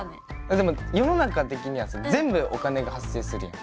でも世の中的にはさ全部お金が発生するじゃん。